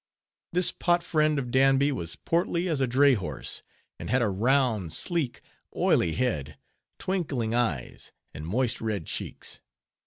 This pot friend of Danby was portly as a dray horse, and had a round, sleek, oily head, twinkling eyes, and moist red cheeks.